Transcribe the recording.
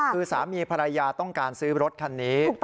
คือสามีภรรยาต้องการซื้อรถคันนี้